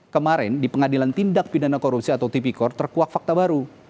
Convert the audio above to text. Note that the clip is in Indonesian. kemarin di pengadilan tindak pidana korupsi atau tipikor terkuak fakta baru